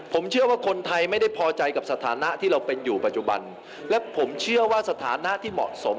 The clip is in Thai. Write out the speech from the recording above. ผมเชื่อว่าคนไทยไม่ได้พอใจกับสถานะที่เราเป็นอยู่ปัจจุบัน